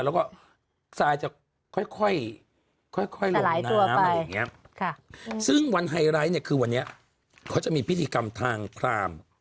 ค่อยหล่มน้ำอะไรอย่างนี้ซึ่งวันไฮไลท์คือวันนี้เขาจะมีพิธีกรรมทางขราม